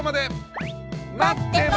待ってます！